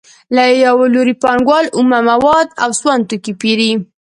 له یو لوري پانګوال اومه مواد او سون توکي پېري